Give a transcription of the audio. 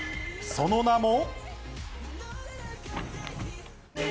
その名も。